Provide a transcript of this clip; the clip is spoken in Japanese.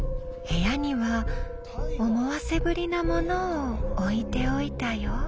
部屋には思わせぶりなものを置いておいたよ。